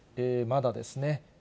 まだですね。